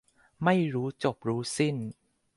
ไม่รู้จบรู้สิ้น